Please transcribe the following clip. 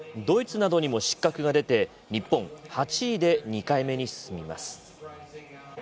ドイツなどにも失格が出て日本８位で２回目に進みます。